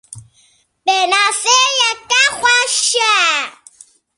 Pênaseyeke xweş e.